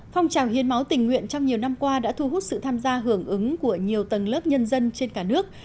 phong trào hiến máu tình nguyện trong nhiều năm qua đã thu hút sự tham gia hưởng ứng của nhiều tầng lớp nhân dân trên cả nước